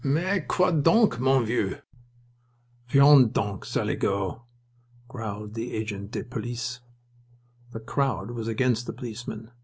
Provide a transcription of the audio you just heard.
Mais, quoi donc, mon vieux!" "Viens donc, saligaud," growled the agent de police. The crowd was against the policeman.